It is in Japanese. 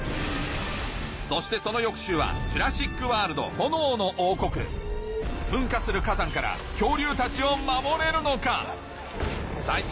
そしてその翌週は『ジュラシック・ワールド／炎の王国』噴火する火山から恐竜たちを守れるのか？